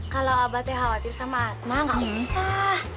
kalau abah teh khawatir sama asma gak usah